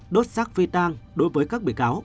đốt xác phi tan đối với các bị cáo